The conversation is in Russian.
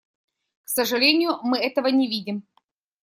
К сожалению, мы этого не видим.